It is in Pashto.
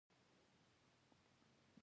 ژمنه ماتول د باور کمزوري کوي.